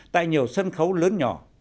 tại nhiều sân khấu lớn nhỏ